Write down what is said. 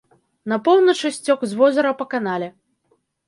На поўначы сцёк з возера па канале.